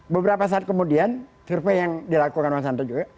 beberapa saat kemudian survei yang dilakukan mas hanta juga